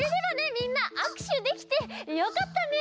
みんなあくしゅできてよかったね！